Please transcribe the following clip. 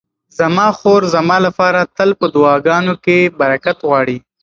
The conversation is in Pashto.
زما خور زما لپاره تل په دعاګانو کې برکت غواړي.